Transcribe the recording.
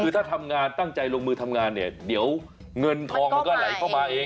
คือถ้าทำงานตั้งใจลงมือทำงานเนี่ยเดี๋ยวเงินทองมันก็ไหลเข้ามาเอง